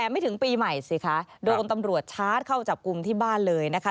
ไม่ถึงปีใหม่สิคะโดนตำรวจชาร์จเข้าจับกลุ่มที่บ้านเลยนะคะ